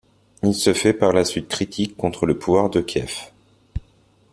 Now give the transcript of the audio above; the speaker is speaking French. Il se fait par la suite critique contre le pouvoir de Kiev.